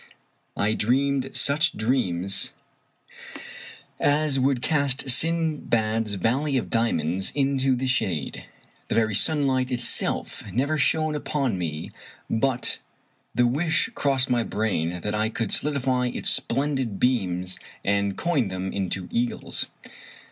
I dreamed such dreams as would cast Sindbad's valley of diamonds into the shade. The very sunlight itself never shone upon me but the wish crossed my brain that I could solidify its splendid beams and coin them into " eagles."